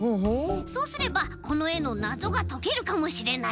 そうすればこのえのなぞがとけるかもしれない。